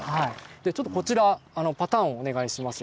ちょっとこちらパターンをお願いします。